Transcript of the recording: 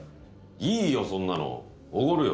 いいよそんなのおごるよ。